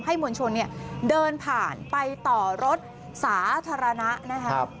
มวลชนเนี่ยเดินผ่านไปต่อรถสาธารณะนะครับ